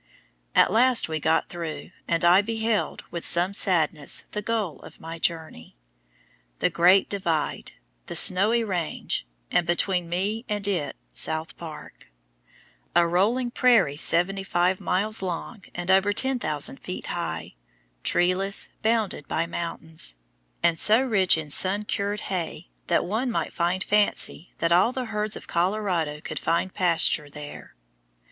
At last we got through, and I beheld, with some sadness, the goal of my journey, "The Great Divide," the Snowy Range, and between me and it South Park, a rolling prairie seventy five miles long and over 10,000 feet high, treeless, bounded by mountains, and so rich in sun cured hay that one might fancy that all the herds of Colorado could find pasture there.